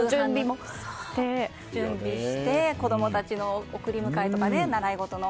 準備して子供たちの送り迎えとか習い事の。